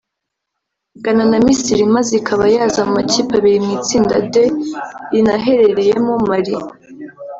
Ghana na Misiri maze ikaba yaza mu makipe abiri mu itsinda D rinaherereyemo Mali